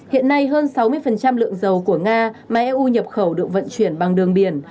hiện nay hơn sáu mươi lượng dầu của nga mà eu nhập khẩu được vận chuyển bằng đường biển